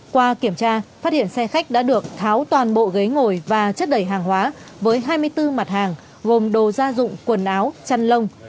qua kiểm tra phát hiện xe khách đã được tháo toàn bộ ghế ngồi và chất đầy hàng hóa với hai mươi bốn mặt hàng gồm đồ gia dụng quần áo chăn lông